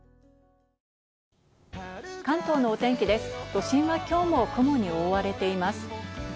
都心はきょうも雲に覆われています。